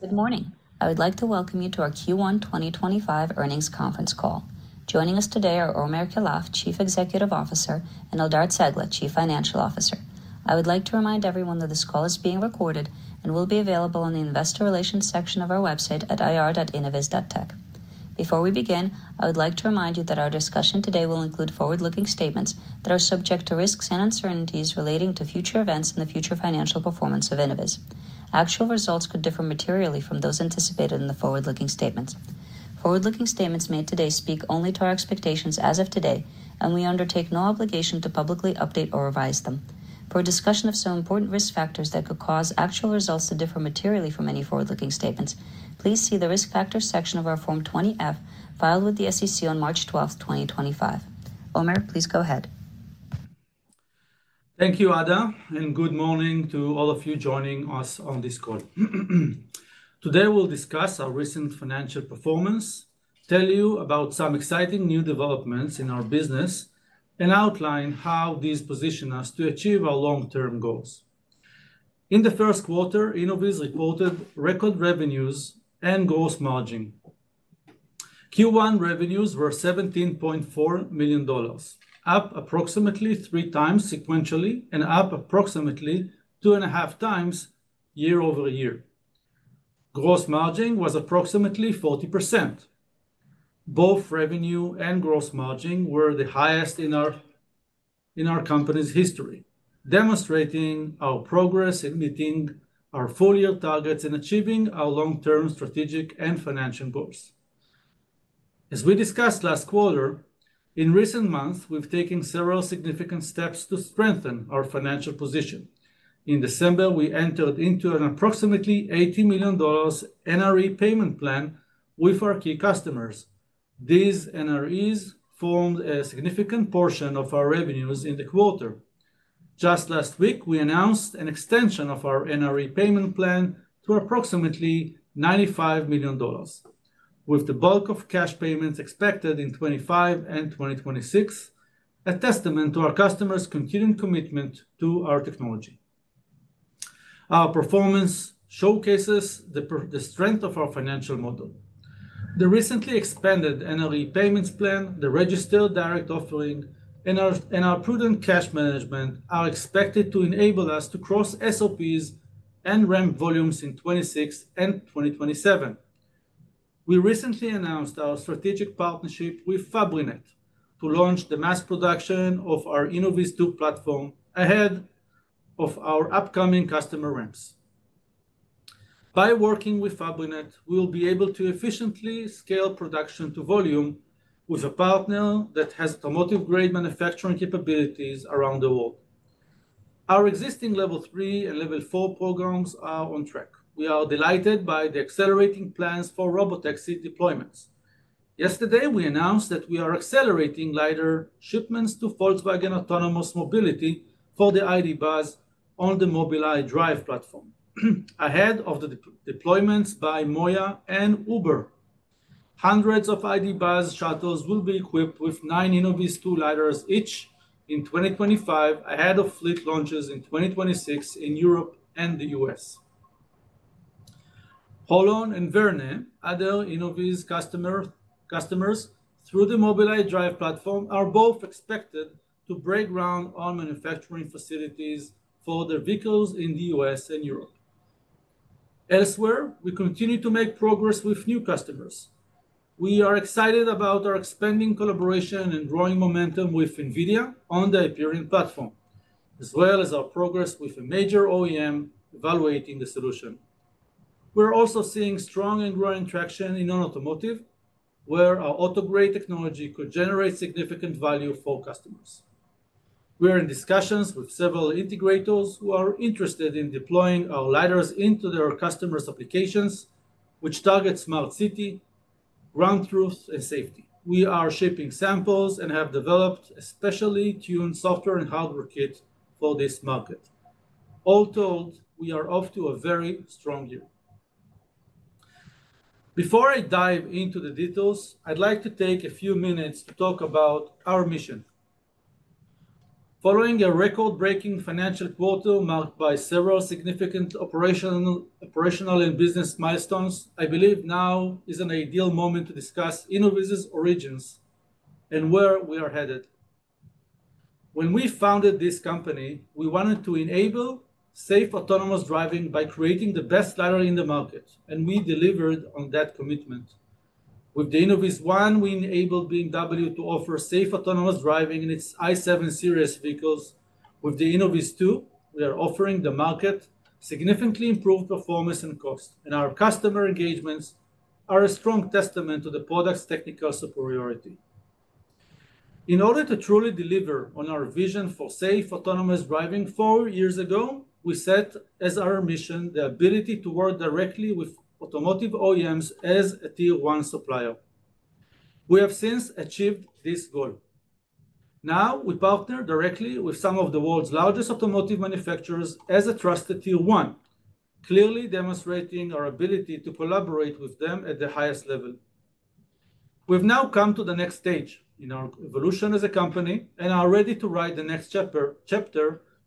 Good morning. I would like to welcome you to our Q1 2025 earnings conference call. Joining us today are Omer Keilaf, Chief Executive Officer, and Eldar Cegla, Chief Financial Officer. I would like to remind everyone that this call is being recorded and will be available in the Investor Relations section of our website at ir.innoviz.tech. Before we begin, I would like to remind you that our discussion today will include forward-looking statements that are subject to risks and uncertainties relating to future events and the future financial performance of Innoviz. Actual results could differ materially from those anticipated in the forward-looking statements. Forward-looking statements made today speak only to our expectations as of today, and we undertake no obligation to publicly update or revise them. For a discussion of some important risk factors that could cause actual results to differ materially from any forward-looking statements, please see the Risk Factors section of our Form-20F filed with the SEC on March 12th, 2025. Omer, please go ahead. Thank you, Ada, and good morning to all of you joining us on this call. Today, we'll discuss our recent financial performance, tell you about some exciting new developments in our business, and outline how these position us to achieve our long-term goals. In the first quarter Innoviz reported record revenues and gross margin. Q1 revenues were $17.4 million, up approximately three times sequentially and up approximately two and a half times year-over- year. Gross margin was approximately 40%. Both revenue and gross margin were the highest in our company's history, demonstrating our progress in meeting our full-year targets and achieving our long-term strategic and financial goals. As we discussed last quarter, in recent months, we've taken several significant steps to strengthen our financial position. In December, we entered into an approximately $80 million NRE payment plan with our key customers. These NREs formed a significant portion of our revenues in the quarter. Just last week, we announced an extension of our NRE payment plan to approximately $95 million, with the bulk of cash payments expected in 2025 and 2026, a testament to our customers' continued commitment to our technology. Our performance showcases the strength of our financial model. The recently expanded NRE payments plan, the registered direct offering, and our prudent cash management are expected to enable us to cross SOPs and ramp volumes in 2026 and 2027. We recently announced our strategic partnership with Fabrinet to launch the mass production of our Innoviz two platform ahead of our upcoming customer ramps. By working with Fabrinet, we will be able to efficiently scale production to volume with a partner that has automotive-grade manufacturing capabilities around the world. Our existing Level three and Level four programs are on track. We are delighted by the accelerating plans for robotaxi deployments. Yesterday, we announced that we are accelerating LiDAR shipments to Volkswagen Autonomous Mobility for the ID. Buzz on the Mobileye Drive platform, ahead of the deployments by Moya and Uber. Hundreds of ID. Buzz shuttles will be equipped with nine Innoviz two. LiDARs each in 2025, ahead of fleet launches in 2026 in Europe and the U.S. Holon and Verne, other Innoviz customers through the Mobileye Drive platform, are both expected to break ground on manufacturing facilities for their vehicles in the U.S., and Europe. Elsewhere, we continue to make progress with new customers. We are excited about our expanding collaboration and growing momentum with NVIDIA on the Hyperion platform, as well as our progress with a major OEM evaluating the solution. We're also seeing strong and growing traction in automotive, where our automotive-grade technology could generate significant value for customers. We're in discussions with several integrators who are interested in deploying our LiDARs into their customers' applications, which target smart city, ground truth, and safety. We are shipping samples and have developed a specially tuned software and hardware kit for this market. All told, we are off to a very strong year. Before I dive into the details, I'd like to take a few minutes to talk about our mission. Following a record-breaking financial quarter marked by several significant operational and business milestones, I believe now is an ideal moment to discuss Innoviz's origins and where we are headed. When we founded this company, we wanted to enable safe autonomous driving by creating the best LiDAR in the market, and we delivered on that commitment. With the Innoviz one, we enabled BMW to offer safe autonomous driving in its i7 series vehicles. With the Innoviz two, we are offering the market significantly improved performance and cost, and our customer engagements are a strong testament to the product's technical superiority. In order to truly deliver on our vision for safe autonomous driving, four years ago, we set as our mission the ability to work directly with automotive OEMs as a Tier one supplier. We have since achieved this goal. Now, we partner directly with some of the world's largest automotive manufacturers as a trusted Tier one, clearly demonstrating our ability to collaborate with them at the highest level. We've now come to the next stage in our evolution as a company and are ready to write the next chapter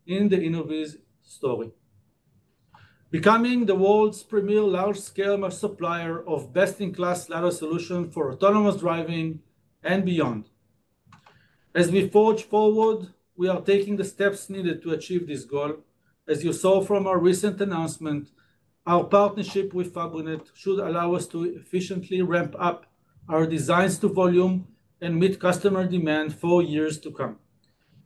in the Innoviz story, becoming the world's premier large-scale supplier of best-in-class LiDAR solution for autonomous driving and beyond. As we forge forward, we are taking the steps needed to achieve this goal. As you saw from our recent announcement, our partnership with Fabrinet should allow us to efficiently ramp up our designs to volume and meet customer demand for years to come.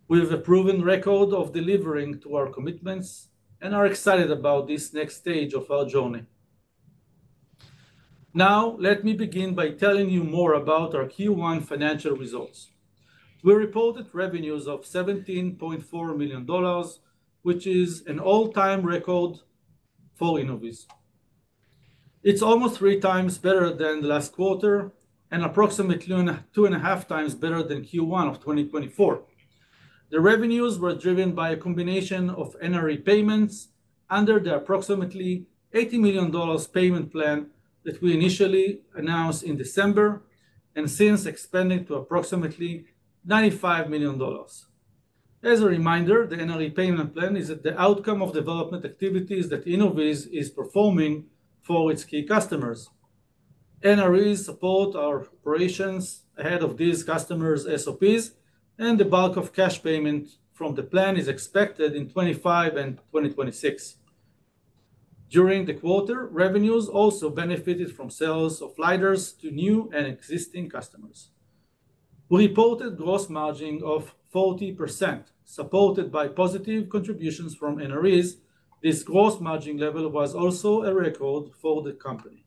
We have a proven record of delivering to our commitments and are excited about this next stage of our journey. Now, let me begin by telling you more about our Q1 financial results. We reported revenues of $17.4 million, which is an all-time record for Innoviz. It's almost three times better than last quarter and approximately two and a half times better than Q1 of 2024. The revenues were driven by a combination of NRE payments under the approximately $80 million payment plan that we initially announced in December and since expanded to approximately $95 million. As a reminder, the NRE payment plan is the outcome of development activities that Innoviz is performing for its key customers. NREs support our operations ahead of these customers' SOPs, and the bulk of cash payment from the plan is expected in 2025 and 2026. During the quarter, revenues also benefited from sales of LiDARs to new and existing customers. We reported gross margin of 40%, supported by positive contributions from NREs. This gross margin level was also a record for the company.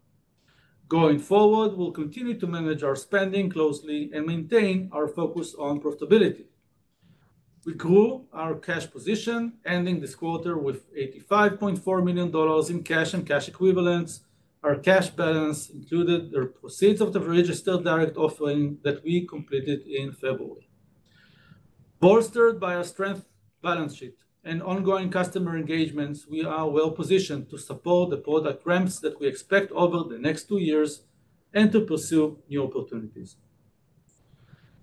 Going forward, we'll continue to manage our spending closely and maintain our focus on profitability. We grew our cash position, ending this quarter with $85.4 million in cash and cash equivalents. Our cash balance included the receipts of the registered direct offering that we completed in February. Bolstered by our strong balance sheet and ongoing customer engagements, we are well-positioned to support the product ramps that we expect over the next two years and to pursue new opportunities.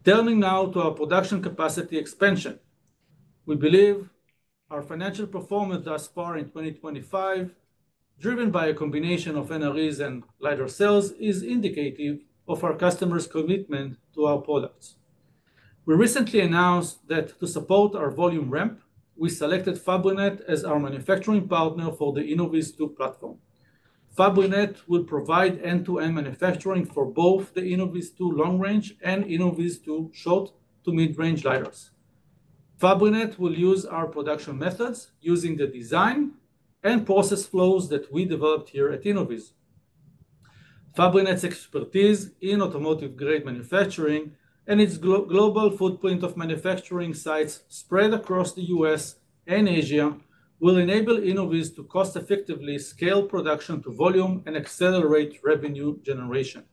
Turning now to our production capacity expansion, we believe our financial performance thus far in 2025, driven by a combination of NREs and LiDAR sales, is indicative of our customers' commitment to our products. We recently announced that to support our volume ramp, we selected Fabrinet as our manufacturing partner for the Innoviz two platform. Fabrinet will provide end-to-end manufacturing for both the Innoviz two long-range and Innoviz two short-to-mid-range LiDARs. Fabrinet will use our production methods using the design and process flows that we developed here at Innoviz. Fabrinet's expertise in automotive-grade manufacturing and its global footprint of manufacturing sites spread across the U.S., and Asia will enable Innoviz to cost-effectively scale production to volume and accelerate revenue generation.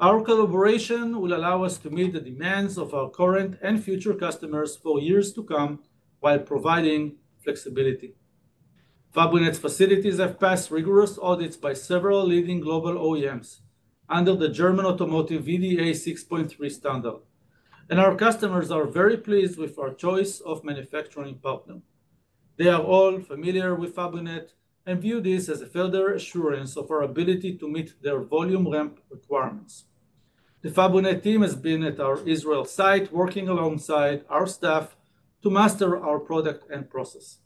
Our collaboration will allow us to meet the demands of our current and future customers for years to come while providing flexibility. Fabrinet's facilities have passed rigorous audits by several leading global OEMs under the German automotive VDA 6.3 standard, and our customers are very pleased with our choice of manufacturing partner. They are all familiar with Fabrinet and view this as a further assurance of our ability to meet their volume ramp requirements. The Fabrinet team has been at our Israel site working alongside our staff to master our product and process.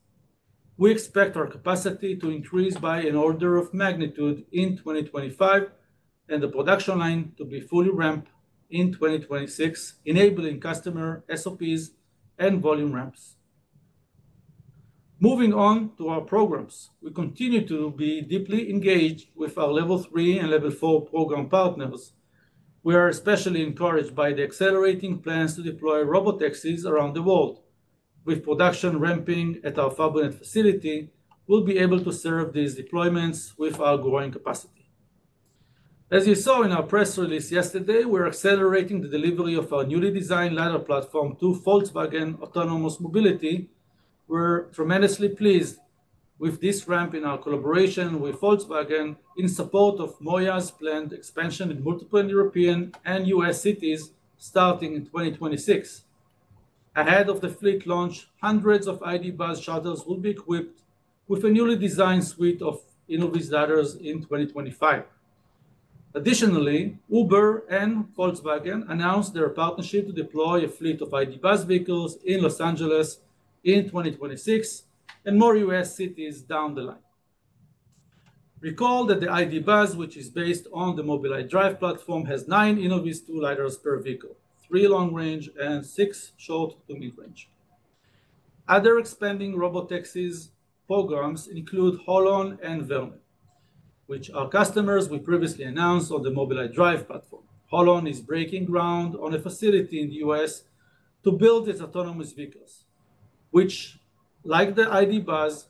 We expect our capacity to increase by an order of magnitude in 2025 and the production line to be fully ramped in 2026, enabling customer SOPs and volume ramps. Moving on to our programs, we continue to be deeply engaged with our Level three and Level four program partners. We are especially encouraged by the accelerating plans to deploy robotaxis around the world. With production ramping at our Fabrinet facility, we'll be able to serve these deployments with our growing capacity. As you saw in our press release yesterday, we're accelerating the delivery of our newly designed LiDAR platform to Volkswagen Autonomous Mobility. We're tremendously pleased with this ramp in our collaboration with Volkswagen in support of Moya's planned expansion in multiple European and U.S., cities starting in 2026. Ahead of the fleet launch, hundreds of ID. Buzz shuttles will be equipped with a newly designed suite of Innoviz LiDARs in 2025. Additionally, Uber and Volkswagen announced their partnership to deploy a fleet of ID. Buzz vehicles in Los Angeles in 2026 and more U.S., cities down the line. Recall that the ID. Buzz, which is based on the Mobileye Drive platform, has nine Innoviz two LiDARs per vehicle: three long-range and six short-to-mid-range. Other expanding robotaxi programs include Holon and Verne, which are customers we previously announced on the Mobileye Drive platform. Holon is breaking ground on a facility in the U.S., to build its autonomous vehicles, which, like the ID. Buzz,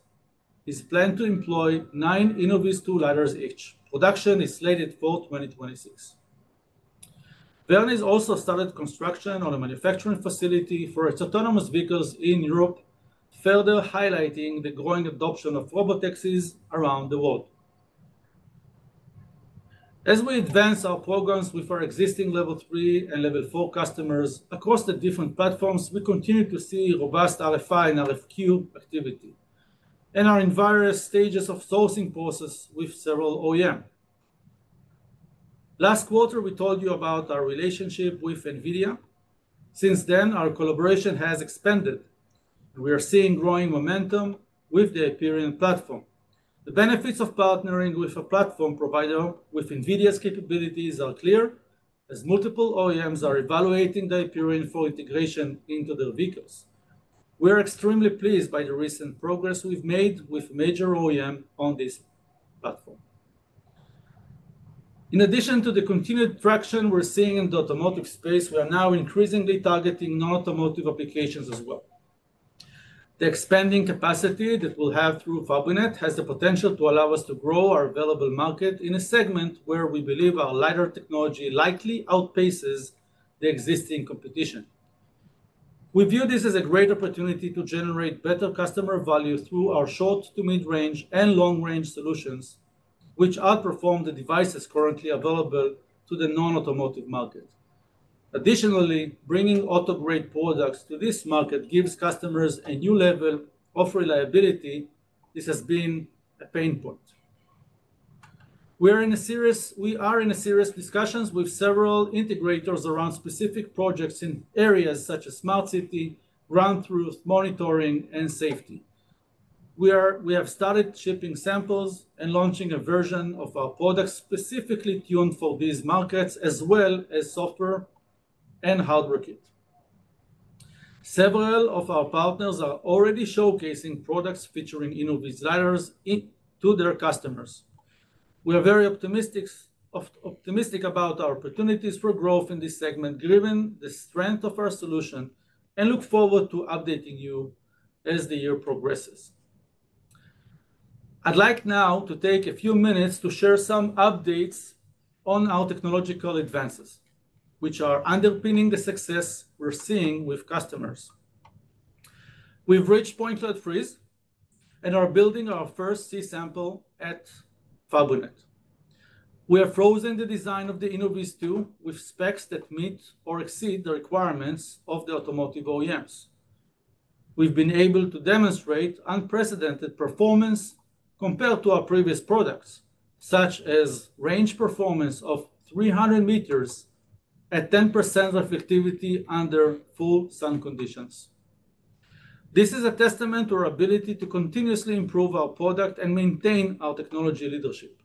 is planned to employ nine Innoviz two LiDARs each. Production is slated for 2026. Verne has also started construction on a manufacturing facility for its autonomous vehicles in Europe, further highlighting the growing adoption of robotaxis around the world. As we advance our programs with our existing Level three and Level four customers across the different platforms, we continue to see robust RFI and RFQ activity and are in various stages of sourcing process with several OEMs. Last quarter, we told you about our relationship with NVIDIA. Since then, our collaboration has expanded, and we are seeing growing momentum with the Hyperion platform. The benefits of partnering with a platform provider with NVIDIA's capabilities are clear, as multiple OEMs are evaluating the Hyperion for integration into their vehicles. We are extremely pleased by the recent progress we've made with major OEMs on this platform. In addition to the continued traction we're seeing in the automotive space, we are now increasingly targeting non-automotive applications as well. The expanding capacity that we'll have through Fabrinet has the potential to allow us to grow our available market in a segment where we believe our LiDAR technology likely outpaces the existing competition. We view this as a great opportunity to generate better customer value through our short-to-mid-range and long-range solutions, which outperform the devices currently available to the non-automotive market. Additionally, bringing automotive-grade products to this market gives customers a new level of reliability. This has been a pain point. We are in a serious discussion with several integrators around specific projects in areas such as smart city, ground truth, monitoring, and safety. We have started shipping samples and launching a version of our products specifically tuned for these markets, as well as software and hardware kits. Several of our partners are already showcasing products featuring Innoviz LiDARs to their customers. We are very optimistic about our opportunities for growth in this segment, given the strength of our solution, and look forward to updating you as the year progresses. I'd like now to take a few minutes to share some updates on our technological advances, which are underpinning the success we're seeing with customers. We've reached point-load freeze and are building our first C sample at Fabrinet. We have frozen the design of the Innoviz two with specs that meet or exceed the requirements of the automotive OEMs. We've been able to demonstrate unprecedented performance compared to our previous products, such as range performance of 300 meters at 10% reflectivity under full sun conditions. This is a testament to our ability to continuously improve our product and maintain our technology leadership.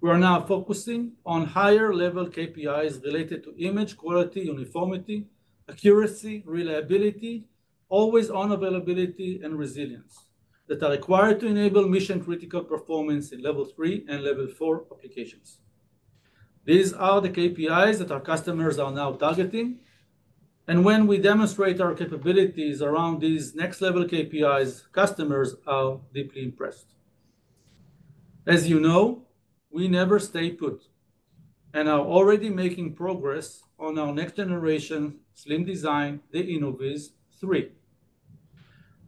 We are now focusing on higher-level KPIs related to image quality, uniformity, accuracy, reliability, always-on availability, and resilience that are required to enable mission-critical performance in Level three and Level four applications. These are the KPIs that our customers are now targeting, and when we demonstrate our capabilities around these next-level KPIs, customers are deeply impressed. As you know, we never stay put and are already making progress on our next-generation slim design, the Innoviz three.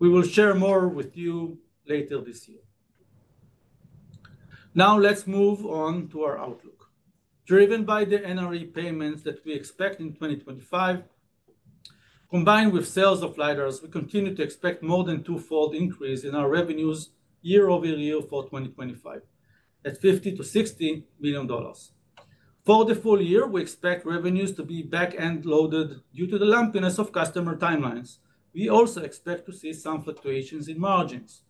We will share more with you later this year. Now, let's move on to our outlook. Driven by the NRE payments that we expect in 2025, combined with sales of LiDARs, we continue to expect more than two fold increase in our revenues year-over-year for 2025 at $50-$60 million. For the full year, we expect revenues to be back-end loaded due to the lumpiness of customer timelines. We also expect to see some fluctuations in margins.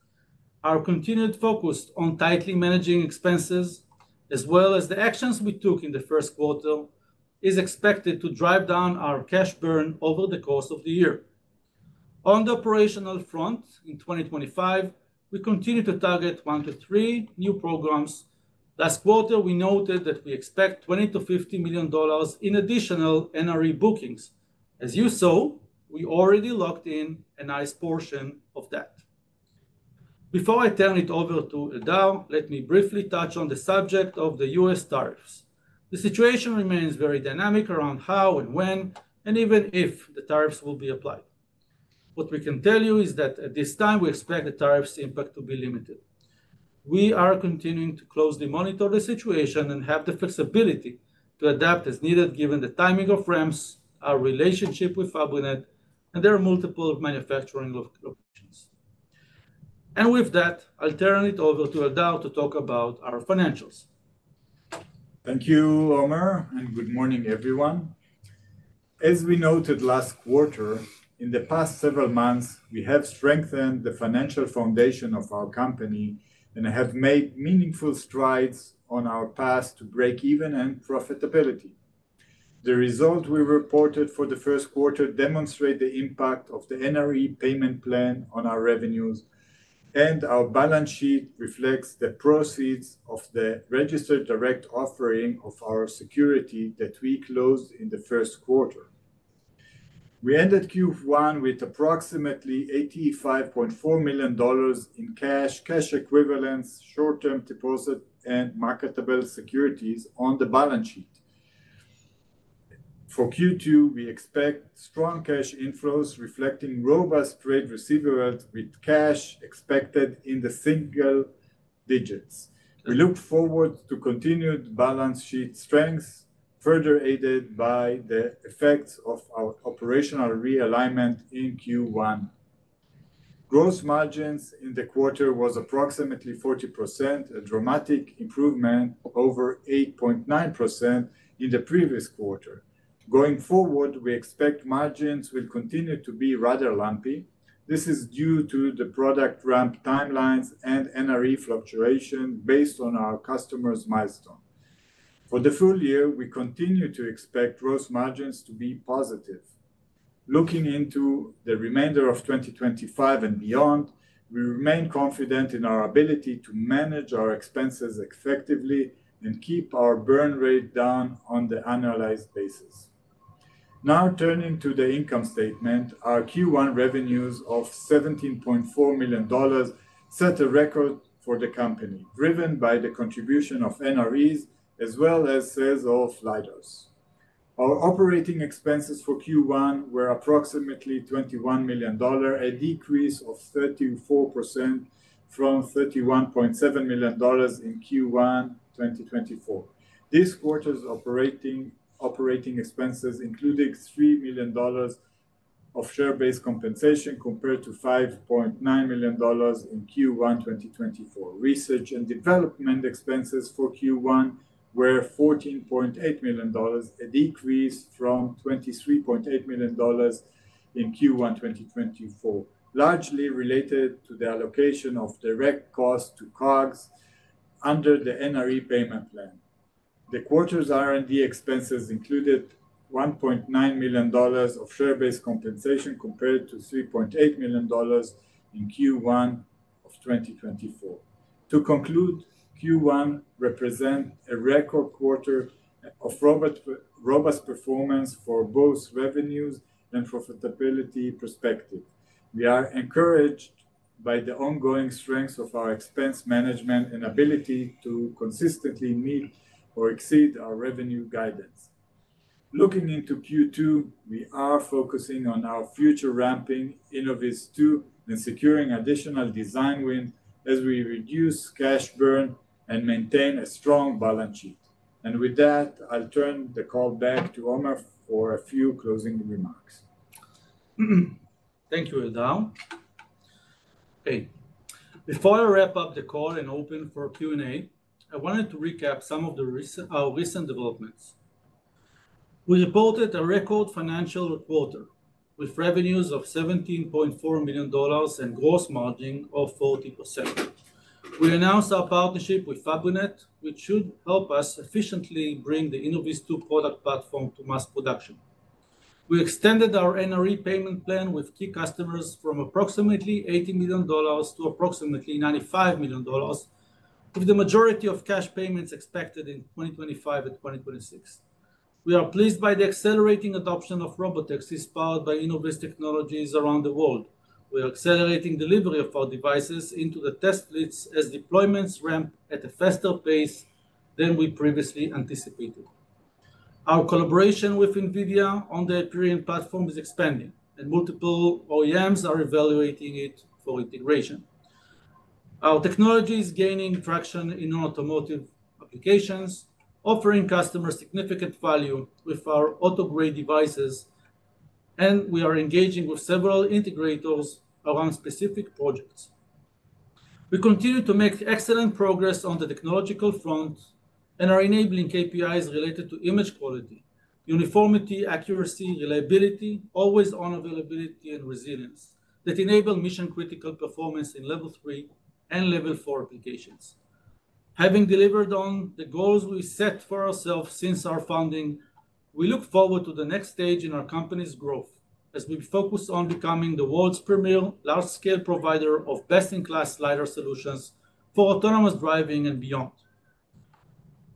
Our continued focus on tightly managing expenses, as well as the actions we took in the first quarter, is expected to drive down our cash burn over the course of the year. On the operational front, in 2025, we continue to target one to three new programs. Last quarter, we noted that we expect $20-$50 million in additional NRE bookings. As you saw, we already locked in a nice portion of that. Before I turn it over to Eldar, let me briefly touch on the subject of the U.S. tariffs. The situation remains very dynamic around how and when and even if the tariffs will be applied. What we can tell you is that at this time, we expect the tariffs' impact to be limited. We are continuing to closely monitor the situation and have the flexibility to adapt as needed, given the timing of ramps, our relationship with Fabrinet, and their multiple manufacturing locations. With that, I'll turn it over to Eldar to talk about our financials. Thank you, Omer, and good morning, everyone. As we noted last quarter, in the past several months, we have strengthened the financial foundation of our company and have made meaningful strides on our path to break-even and profitability. The results we reported for the first quarter demonstrate the impact of the NRE payment plan on our revenues, and our balance sheet reflects the proceeds of the registered direct offering of our security that we closed in the first quarter. We ended Q1 with approximately $85.4 million in cash, cash equivalents, short-term deposits, and marketable securities on the balance sheet. For Q2, we expect strong cash inflows reflecting robust trade receivables with cash expected in the single digits. We look forward to continued balance sheet strength, further aided by the effects of our operational realignment in Q1. Gross margins in the quarter were approximately 40%, a dramatic improvement over 8.9% in the previous quarter. Going forward, we expect margins will continue to be rather lumpy. This is due to the product ramp timelines and NRE fluctuation based on our customers' milestones. For the full year, we continue to expect gross margins to be positive. Looking into the remainder of 2025 and beyond, we remain confident in our ability to manage our expenses effectively and keep our burn rate down on the annualized basis. Now, turning to the income statement, our Q1 revenues of $17.4 million set a record for the company, driven by the contribution of NREs as well as sales of LiDARs. Our operating expenses for Q1 were approximately $21 million, a decrease of 34% from $31.7 million in Q1 2024. This quarter's operating expenses included $3 million of share-based compensation compared to $5.9 million in Q1 2024. Research and development expenses for Q1 were $14.8 million, a decrease from $23.8 million in Q1 2024, largely related to the allocation of direct costs to CAGs under the NRE payment plan. The quarter's R&D expenses included $1.9 million of share-based compensation compared to $3.8 million in Q1 of 2024. To conclude, Q1 represents a record quarter of robust performance for both revenues and profitability perspective. We are encouraged by the ongoing strength of our expense management and ability to consistently meet or exceed our revenue guidance. Looking into Q2, we are focusing on our future ramping Innoviz two and securing additional design wins as we reduce cash burn and maintain a strong balance sheet. With that, I'll turn the call back to Omer for a few closing remarks. Thank you, Eldar. Hey, before I wrap up the call and open for Q&A, I wanted to recap some of our recent developments. We reported a record financial quarter with revenues of $17.4 million and gross margin of 40%. We announced our partnership with Fabrinet, which should help us efficiently bring the Innoviz two product platform to mass production. We extended our NRE payment plan with key customers from approximately $80 million to approximately $95 million, with the majority of cash payments expected in 2025 and 2026. We are pleased by the accelerating adoption of Robotaxis powered by Innoviz Technologies around the world. We are accelerating delivery of our devices into the test fleets as deployments ramp at a faster pace than we previously anticipated. Our collaboration with NVIDIA on the Hyperion platform is expanding, and multiple OEMs are evaluating it for integration. Our technology is gaining traction in automotive applications, offering customers significant value with our automotive-grade devices, and we are engaging with several integrators around specific projects. We continue to make excellent progress on the technological front and are enabling KPIs related to image quality, uniformity, accuracy, reliability, always-on availability, and resilience that enable mission-critical performance in Level three and Level four applications. Having delivered on the goals we set for ourselves since our founding, we look forward to the next stage in our company's growth as we focus on becoming the world's premier large-scale provider of best-in-class LiDAR solutions for autonomous driving and beyond.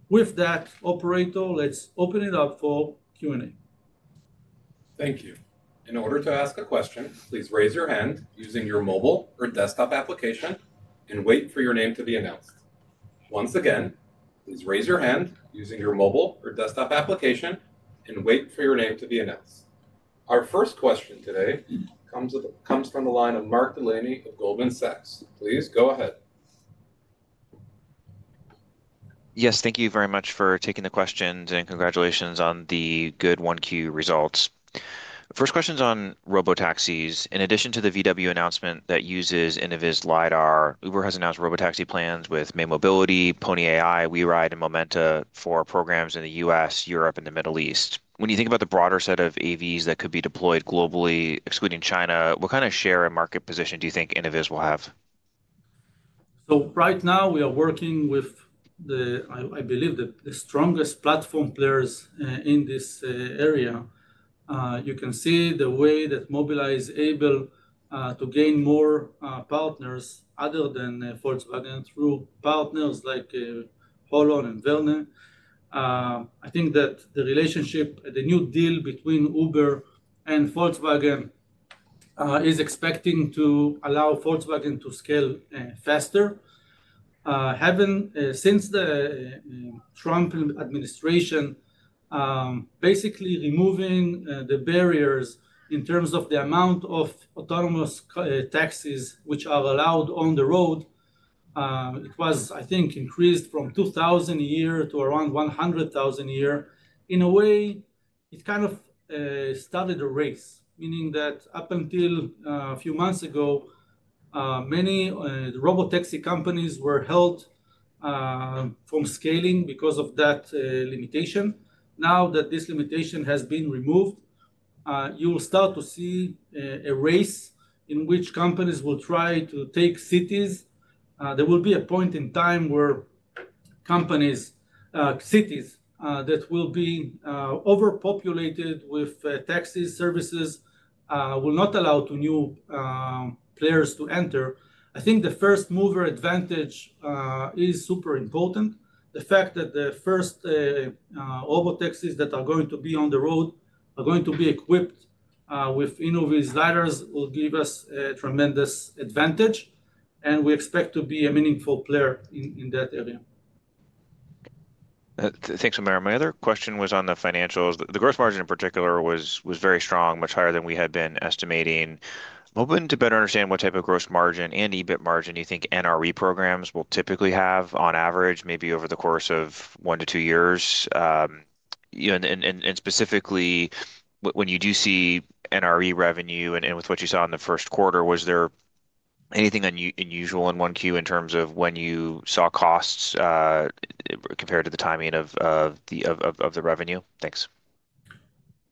With that, Operator, let's open it up for Q&A. Thank you. In order to ask a question, please raise your hand using your mobile or desktop application and wait for your name to be announced. Once again, please raise your hand using your mobile or desktop application and wait for your name to be announced. Our first question today comes from the line of Mark Delaney of Goldman Sachs. Please go ahead. Yes, thank you very much for taking the question and congratulations on the good Q1 results. First question is on Robotaxis. In addition to the Volkswagen announcement that uses Innoviz LiDAR, Uber has announced robotaxi plans with May Mobility, Pony AI, WeRide, and Momenta for programs in the U.S., Europe, and the Middle East. When you think about the broader set of AVs that could be deployed globally, excluding China, what kind of share and market position do you think Innoviz will have? Right now, we are working with, I believe, the strongest platform players in this area. You can see the way that Mobileye is able to gain more partners other than Volkswagen through partners like Holon and Verne. I think that the relationship, the new deal between Uber and Volkswagen, is expected to allow Volkswagen to scale faster. Since the Trump administration, basically removing the barriers in terms of the amount of autonomous taxis which are allowed on the road, it was, I think, increased from 2,000 a year to around 100,000 a year. In a way, it kind of started a race, meaning that up until a few months ago, many robotaxi companies were held from scaling because of that limitation. Now that this limitation has been removed, you will start to see a race in which companies will try to take cities. There will be a point in time where companies, cities that will be overpopulated with taxi services will not allow new players to enter. I think the first-mover advantage is super important. The fact that the first robotaxis that are going to be on the road are going to be equipped with Innoviz LiDARs will give us a tremendous advantage, and we expect to be a meaningful player in that area. Thanks, Omer. My other question was on the financials. The gross margin in particular was very strong, much higher than we had been estimating. Hoping to better understand what type of gross margin and EBIT margin you think NRE programs will typically have on average, maybe over the course of one to two years. Specifically, when you do see NRE revenue and with what you saw in the first quarter, was there anything unusual in Q1 in terms of when you saw costs compared to the timing of the revenue? Thanks.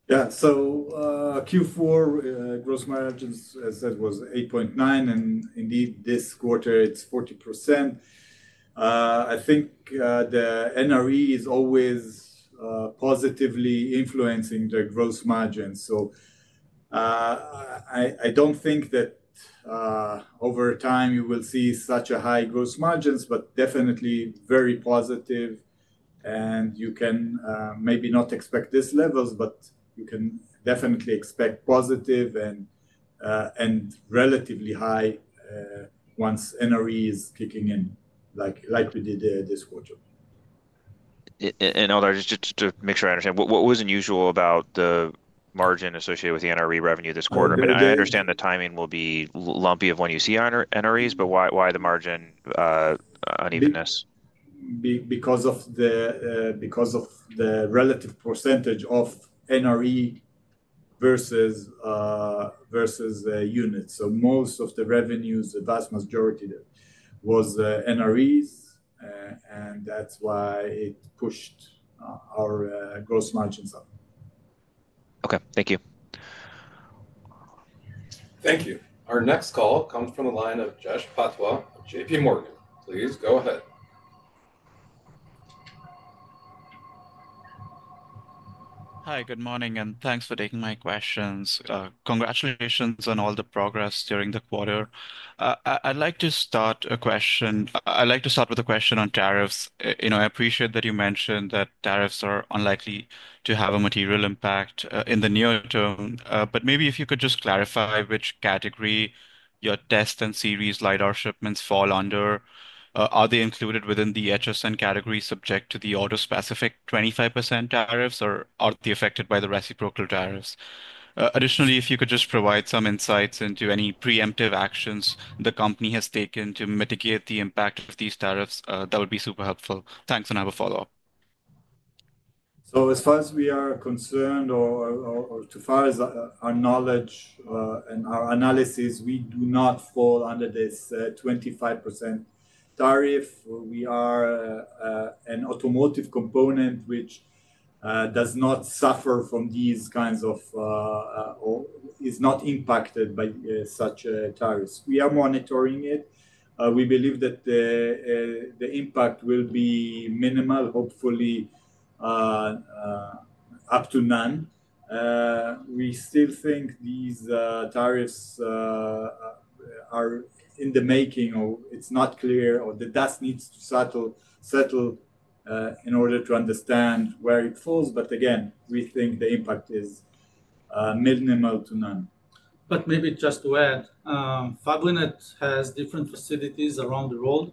Yeah, so Q4 gross margins, as I said, was 8.9%, and indeed this quarter, it's 40%. I think the NRE is always positively influencing the gross margin. I do not think that over time you will see such high gross margins, but definitely very positive. You can maybe not expect these levels, but you can definitely expect positive and relatively high once NRE is kicking in, like we did this quarter. Omer, just to make sure I understand, what was unusual about the margin associated with the NRE revenue this quarter? I understand the timing will be lumpy of when you see NREs, but why the margin unevenness? Because of the relative percentage of NRE versus units. Most of the revenues, the vast majority, was NREs, and that is why it pushed our gross margins up. Okay, thank you. Thank you. Our next call comes from the line of Jash Patwa of J.P. Morgan. Please go ahead. Hi, good morning, and thanks for taking my questions. Congratulations on all the progress during the quarter. I'd like to start with a question on tariffs. I appreciate that you mentioned that tariffs are unlikely to have a material impact in the near term, but maybe if you could just clarify which category your test and series LiDAR shipments fall under. Are they included within the HSN category subject to the auto-specific 25% tariffs, or are they affected by the reciprocal tariffs? Additionally, if you could just provide some insights into any preemptive actions the company has taken to mitigate the impact of these tariffs, that would be super helpful. Thanks, and I have a follow-up. As far as we are concerned, or as far as our knowledge and our analysis, we do not fall under this 25% tariff. We are an automotive component which does not suffer from these kinds of, or is not impacted by such tariffs. We are monitoring it. We believe that the impact will be minimal, hopefully up to none. We still think these tariffs are in the making, or it is not clear, or the dust needs to settle in order to understand where it falls. We think the impact is minimal to none. Maybe just to add, Fabrinet has different facilities around the world,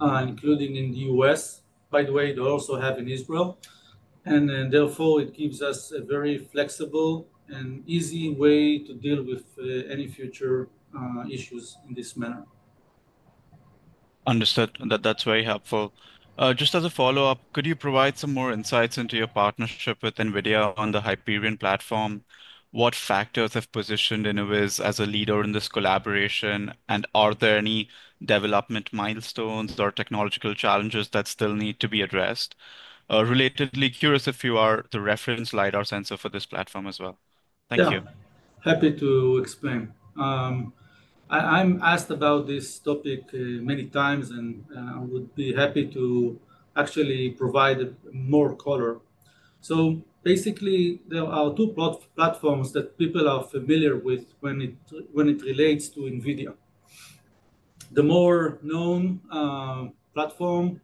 including in the U.S. By the way, they also have in Israel. Therefore, it gives us a very flexible and easy way to deal with any future issues in this manner. Understood. That is very helpful. Just as a follow-up, could you provide some more insights into your partnership with NVIDIA on the Hyperion platform? What factors have positioned Innoviz as a leader in this collaboration, and are there any development milestones or technological challenges that still need to be addressed? Relatedly, curious if you are the reference LiDAR sensor for this platform as well? Thank you. Happy to explain. I'm asked about this topic many times, and I would be happy to actually provide more color. Basically, there are two platforms that people are familiar with when it relates to NVIDIA. The more known platform,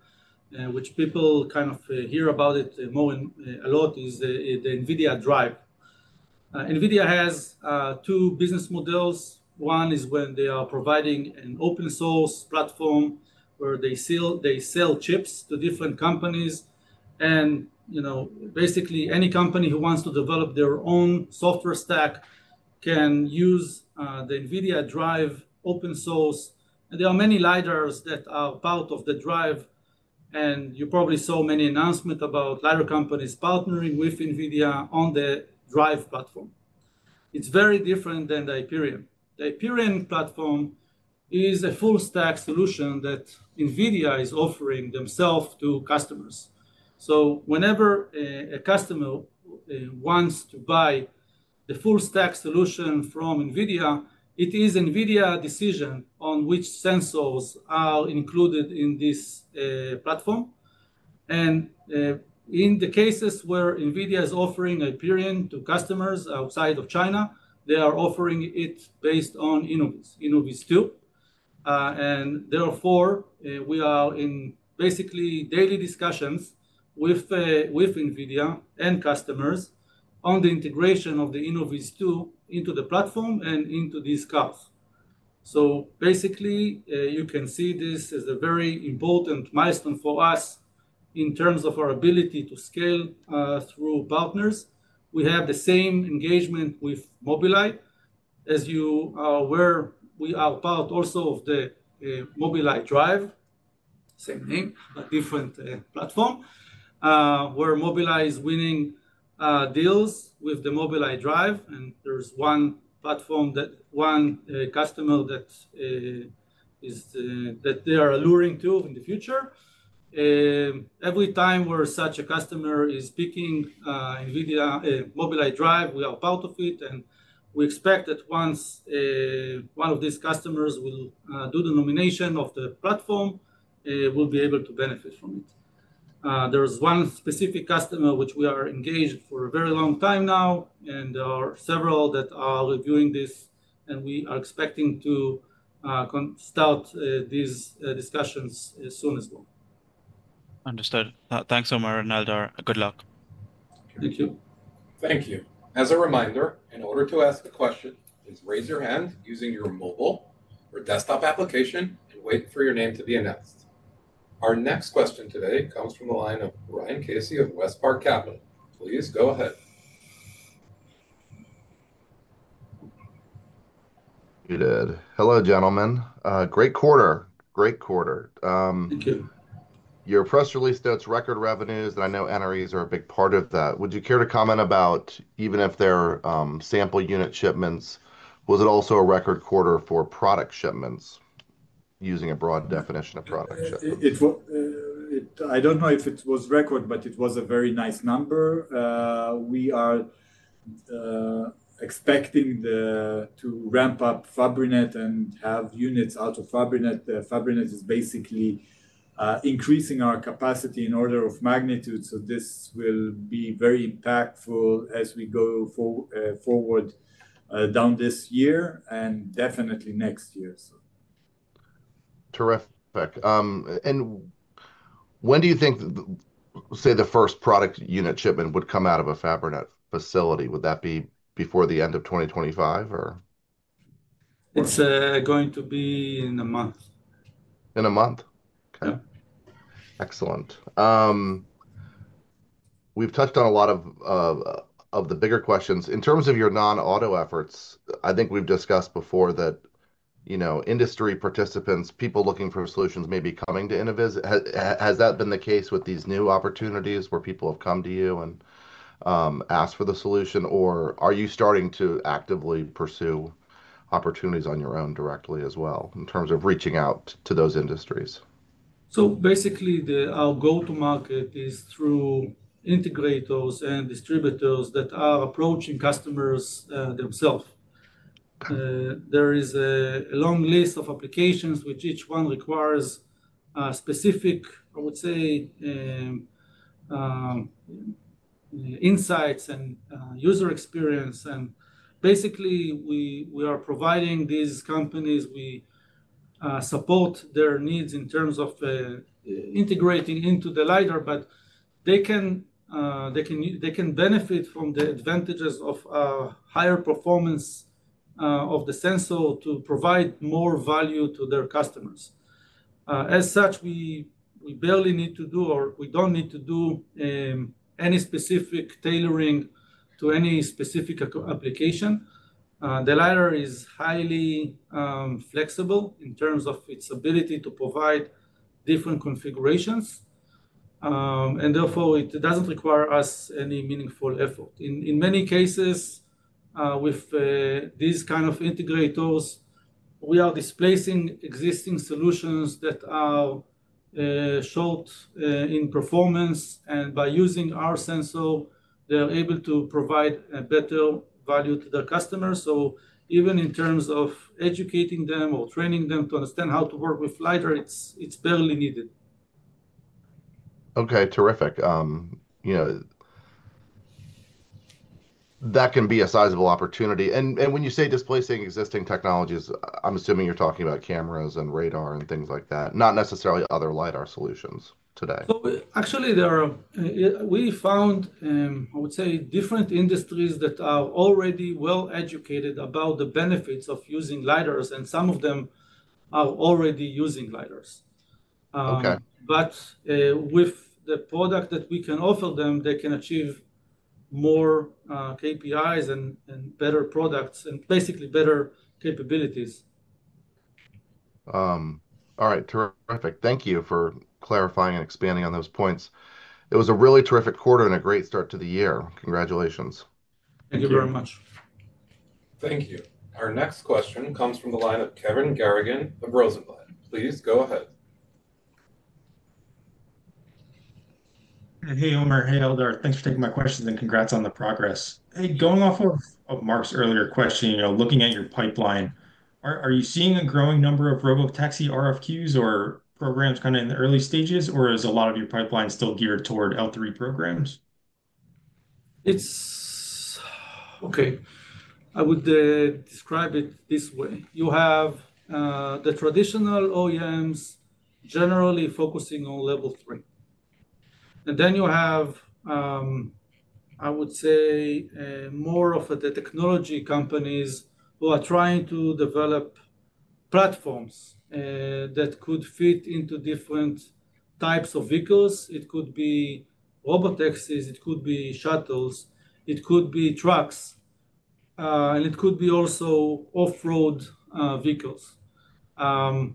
which people kind of hear about it more and a lot, is the NVIDIA Drive. NVIDIA has two business models. One is when they are providing an open-source platform where they sell chips to different companies. Basically, any company who wants to develop their own software stack can use the NVIDIA Drive open-source. There are many LiDARs that are part of the Drive. You probably saw many announcements about LiDAR companies partnering with NVIDIA on the Drive platform. It is very different than the Hyperion. The Hyperion platform is a full-stack solution that NVIDIA is offering themselves to customers. Whenever a customer wants to buy the full-stack solution from NVIDIA, it is NVIDIA's decision on which sensors are included in this platform. In the cases where NVIDIA is offering Hyperion to customers outside of China, they are offering it based on Innoviz two. Therefore, we are in basically daily discussions with NVIDIA and customers on the integration of the Innoviz two into the platform and into these cars. You can see this as a very important milestone for us in terms of our ability to scale through partners. We have the same engagement with Mobilize. As you are aware, we are part also of the Mobileye Drive, same name, but different platform, where Mobileye is winning deals with the Mobileye Drive. There is one platform, one customer that they are alluring to in the future. Every time where such a customer is picking Mobileye Drive, we are part of it. We expect that once one of these customers will do the nomination of the platform, we will be able to benefit from it. There is one specific customer which we are engaged for a very long time now, and there are several that are reviewing this, and we are expecting to start these discussions as soon as possible. Understood. Thanks, Omer and Eldar. Good luck. Thank you. Thank you. As a reminder, in order to ask a question, please raise your hand using your mobile or desktop application and wait for your name to be announced. Our next question today comes from the line of Ryan Casey of WestPark Capital. Please go ahead. You did. Hello, gentlemen. Great quarter. Great quarter. Thank you. Your press release notes record revenues, and I know NREs are a big part of that. Would you care to comment about even if they're sample unit shipments, was it also a record quarter for product shipments using a broad definition of product shipments? I don't know if it was record, but it was a very nice number. We are expecting to ramp up Fabrinet and have units out of Fabrinet. Fabrinet is basically increasing our capacity in order of magnitude. This will be very impactful as we go forward down this year and definitely next year. Terrific. When do you think, say, the first product unit shipment would come out of a Fabrinet facility? Would that be before the end of 2025, or? It's going to be in a month. In a month? Okay. Excellent. We've touched on a lot of the bigger questions. In terms of your non-auto efforts, I think we've discussed before that industry participants, people looking for solutions may be coming to Innoviz. Has that been the case with these new opportunities where people have come to you and asked for the solution, or are you starting to actively pursue opportunities on your own directly as well in terms of reaching out to those industries? Basically, our go-to-market is through integrators and distributors that are approaching customers themselves. There is a long list of applications which each one requires specific, I would say, insights and user experience. Basically, we are providing these companies. We support their needs in terms of integrating into the LiDAR, but they can benefit from the advantages of higher performance of the sensor to provide more value to their customers. As such, we barely need to do, or we do not need to do any specific tailoring to any specific application. The LiDAR is highly flexible in terms of its ability to provide different configurations. Therefore, it does not require us any meaningful effort. In many cases, with these kinds of integrators, we are displacing existing solutions that are short in performance. By using our sensor, they are able to provide a better value to their customers. Even in terms of educating them or training them to understand how to work with LiDAR, it is barely needed. Okay, terrific. That can be a sizable opportunity. When you say displacing existing technologies, I'm assuming you're talking about cameras and radar and things like that, not necessarily other LiDAR solutions today. Actually, we found, I would say, different industries that are already well-educated about the benefits of using LiDARs, and some of them are already using LiDARs. But with the product that we can offer them, they can achieve more KPIs and better products and basically better capabilities. All right, terrific. Thank you for clarifying and expanding on those points. It was a really terrific quarter and a great start to the year. Congratulations. Thank you very much. Thank you. Our next question comes from the line of Kevin Garrigan of Rosenblatt. Please go ahead. Hey, Omer, hey, Eldar. Thanks for taking my questions and congrats on the progress. Going off of Mark's earlier question, looking at your pipeline, are you seeing a growing number of Robotaxi RFQs or programs kind of in the early stages, or is a lot of your pipeline still geared toward L3 programs? Okay. I would describe it this way. You have the traditional OEMs generally focusing on level three. And then you have, I would say, more of the technology companies who are trying to develop platforms that could fit into different types of vehicles. It could be robotaxis. It could be shuttles. It could be trucks. And it could be also off-road vehicles. I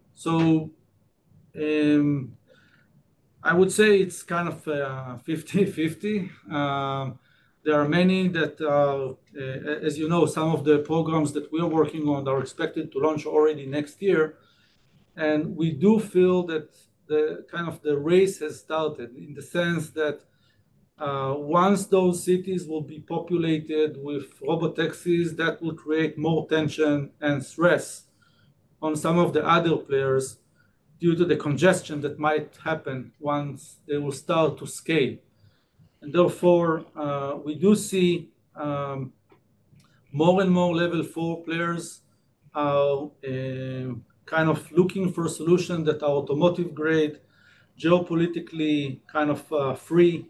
would say it's kind of 50-50. There are many that, as you know, some of the programs that we are working on are expected to launch already next year. We do feel that kind of the race has started in the sense that once those cities will be populated with Robotaxis, that will create more tension and stress on some of the other players due to the congestion that might happen once they will start to scale. Therefore, we do see more and more Level four players kind of looking for solutions that are automotive-grade, geopolitically kind of free,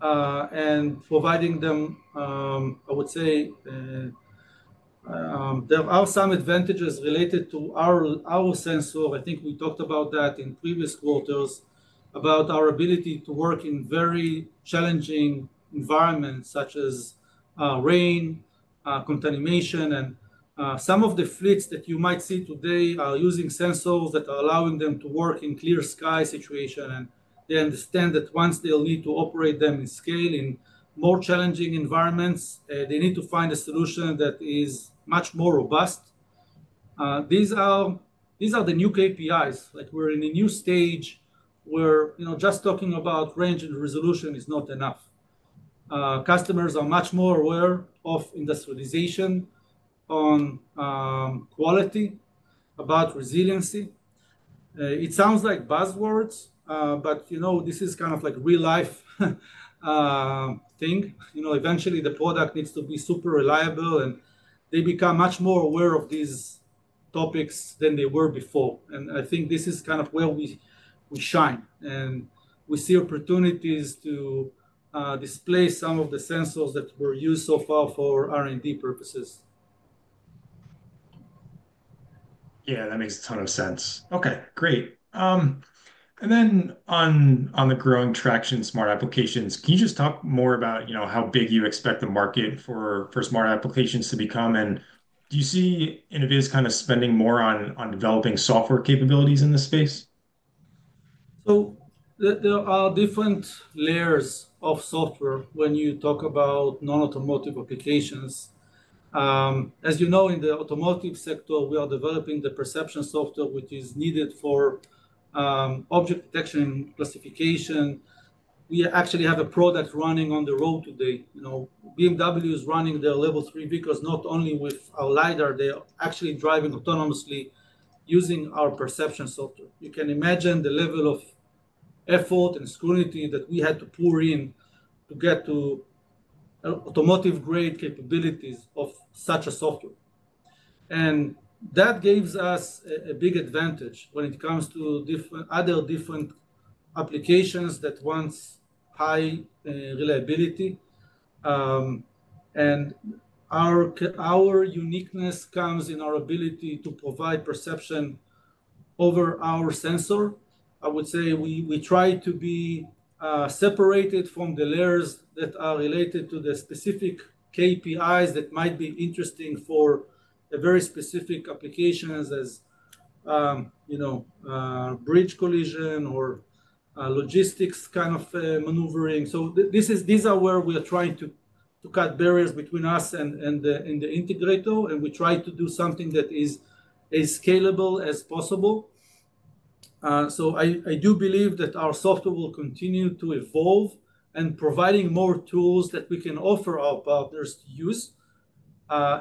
and providing them, I would say, there are some advantages related to our sensor. I think we talked about that in previous quarters, about our ability to work in very challenging environments such as rain, contamination. Some of the fleets that you might see today are using sensors that are allowing them to work in clear sky situations. They understand that once they'll need to operate them in scale in more challenging environments, they need to find a solution that is much more robust. These are the new KPIs. We're in a new stage where just talking about range and resolution is not enough. Customers are much more aware of industrialization, on quality, about resiliency. It sounds like buzzwords, but this is kind of like a real-life thing. Eventually, the product needs to be super reliable, and they become much more aware of these topics than they were before. I think this is kind of where we shine. We see opportunities to display some of the sensors that were used so far for R&D purposes. Yeah, that makes a ton of sense. Okay, great. On the growing traction in smart applications, can you just talk more about how big you expect the market for smart applications to become? Do you see NVIDIA kind of spending more on developing software capabilities in this space? There are different layers of software when you talk about non-automotive applications. As you know, in the automotive sector, we are developing the perception software which is needed for object detection and classification. We actually have a product running on the road today. BMW is running their Level three vehicles not only with our LiDAR. They are actually driving autonomously using our perception software. You can imagine the level of effort and scrutiny that we had to pour in to get to automotive-grade capabilities of such a software. That gives us a big advantage when it comes to other different applications that want high reliability. Our uniqueness comes in our ability to provide perception over our sensor. I would say we try to be separated from the layers that are related to the specific KPIs that might be interesting for very specific applications as bridge collision or logistics kind of maneuvering. These are where we are trying to cut barriers between us and the integrator, and we try to do something that is as scalable as possible. I do believe that our software will continue to evolve and provide more tools that we can offer our partners to use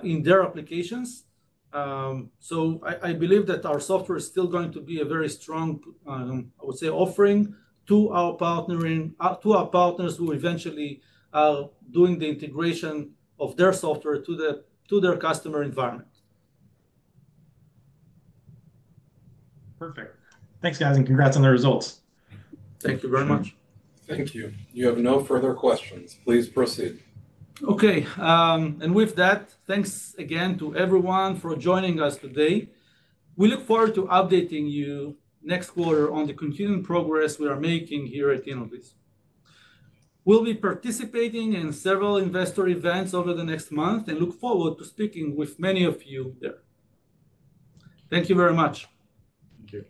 in their applications. I believe that our software is still going to be a very strong, I would say, offering to our partners who eventually are doing the integration of their software to their customer environment. Perfect. Thanks, guys, and congrats on the results. Thank you very much. Thank you. You have no further questions. Please proceed. Okay. With that, thanks again to everyone for joining us today. We look forward to updating you next quarter on the continuing progress we are making here at Innoviz. We will be participating in several investor events over the next month and look forward to speaking with many of you there. Thank you very much. Thank you.